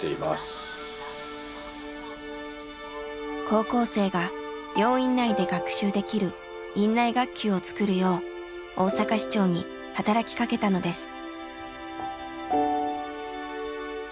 高校生が病院内で学習できる院内学級を作るよう大阪市長に働きかけたのです。